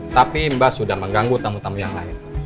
tapi imbas sudah mengganggu tamu tamu yang lain